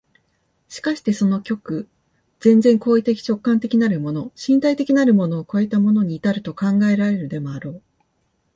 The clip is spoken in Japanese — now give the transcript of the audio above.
しかしてその極、全然行為的直観的なるもの、身体的なるものを越えたものに到ると考えられるでもあろう。